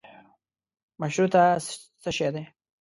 مشروطه څشي ده.